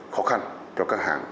khó khăn cho các hàng